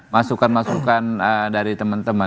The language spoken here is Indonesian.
masukan masukan dari teman teman